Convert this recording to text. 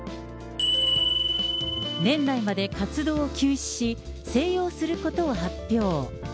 年内まで活動を休止し、静養することを発表。